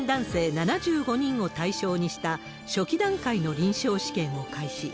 ７５人を対象にした初期段階の臨床試験を開始。